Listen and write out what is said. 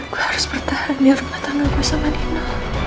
gue harus bertahan di rumah tanganku sama nino